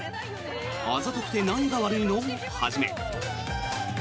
「あざとくて何が悪いの？」をはじめ。